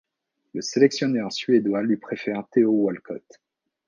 Le sélectionneur suédois lui préfère Theo Walcott.